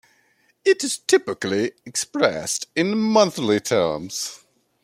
It is typically expressed in monthly terms.